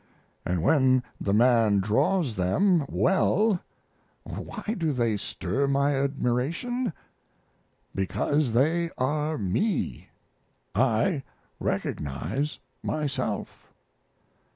And when the man draws them well why do they stir my admiration? Because they are me I recognize myself.